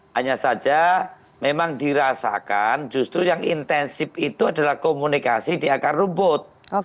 hanya saja memang dirasakan justru yang intensif itu adalah komunikasi di akar rumput